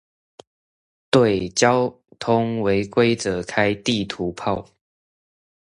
對交通違規者開地圖炮